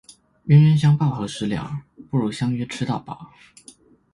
冤冤相報何時了，不如相約吃到飽